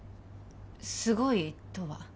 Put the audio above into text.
すごいとは？